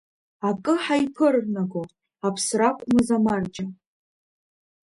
Акы ҳаиԥырнаго, аԥсракәмыз, амарџьа…